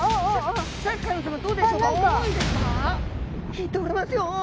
引いておりますよ！